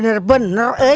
tidak ada pencari